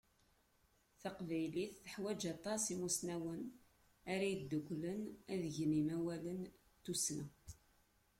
Taqbaylit teḥwaǧ aṭas imusnawen ara yedduklen ad gen imawalen n tussna.